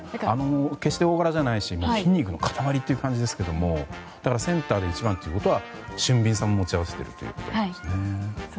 決して大柄じゃないし筋肉の塊っていう感じですけどセンターで１番ということは俊敏さも持ち合わせているということですね。